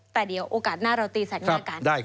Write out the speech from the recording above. แต่เดี๋ยวโอกาสหน้าเราตีแสกหน้ากัน